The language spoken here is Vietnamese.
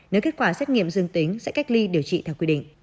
nếu kết quả xét nghiệm dương tính sẽ cách ly điều trị theo quy định